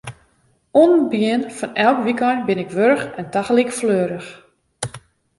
Oan it begjin fan elk wykein bin ik warch en tagelyk fleurich.